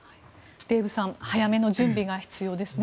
デーブさん早めの準備が必要ですね。